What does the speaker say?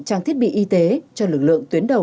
trang thiết bị y tế cho lực lượng tuyến đầu